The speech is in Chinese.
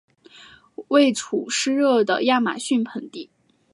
位处湿热的亚马逊盆地。